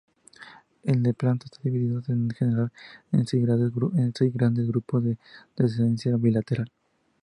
Los lepanto están divididos, en general, en seis grandes grupos de descendencia bilateral.